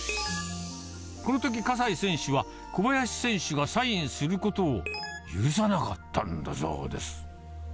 このとき、葛西選手は小林選手がサインすることを、許さなかったんだそうです。